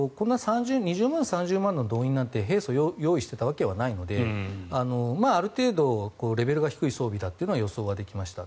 ２０万、３０万の動員なんて平素用意していたわけではないのである程度レベルが低い装備だというのは予想ができました。